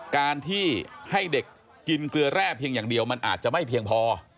การที่ให้เด็กกินเกลือแร่เพียงอย่างเดียวมันอาจจะไม่เพียงพอ